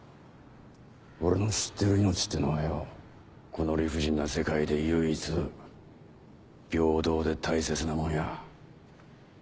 俺の知ってる命ってのはよこの理不尽な世界で唯一平等で大切なもんや。